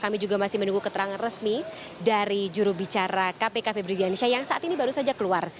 kami juga masih menunggu keterangan resmi dari jurubicara kpk febri diansyah yang saat ini baru saja keluar